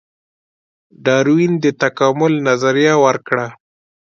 ډاروین د تکامل نظریه ورکړه